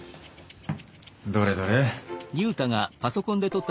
どれどれ。